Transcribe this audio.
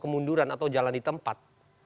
kemunduran atau jalan di tempat